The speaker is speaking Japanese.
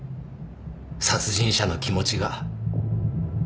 殺人者の気持ちが。